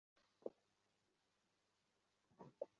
এই হারে চিটাগং ভাইকিংস চলে গেছে খাদের কিনারায়।